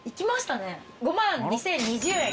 ５２０２０円。